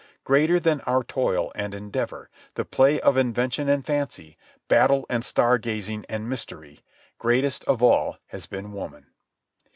Greater than our toil and endeavour, the play of invention and fancy, battle and star gazing and mystery—greatest of all has been woman.